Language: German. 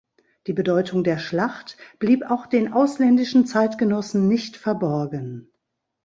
Die Bedeutung der Schlacht blieb auch den ausländischen Zeitgenossen nicht verborgen.